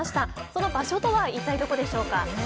その場所とは一体どこでしょうか。